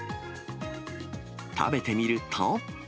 食べてみると。